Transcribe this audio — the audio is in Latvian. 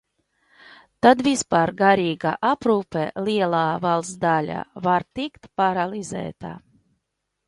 Tad vispār garīgā aprūpe lielā valsts daļā var tikt paralizēta.